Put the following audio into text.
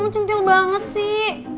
kamu centil banget sih